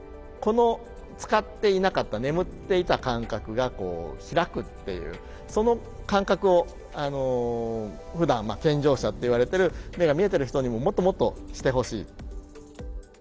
この使っていなかった眠っていた感覚がこうひらくっていうその感覚をふだん健常者っていわれてる目が見えてる人にももっともっとしてほしい。